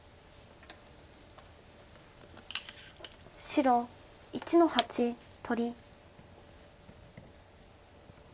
白１の八取り。